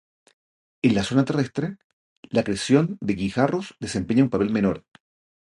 En la zona terrestre, la acreción de guijarros desempeña un papel menor.